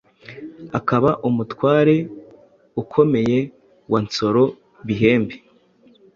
akaba umutware ukomeye wa Nsoro Bihembe.